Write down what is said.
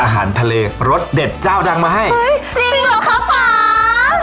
เฮ้ยจริงเหรอคะป๋า